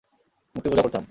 মূর্তি পূজা করতাম।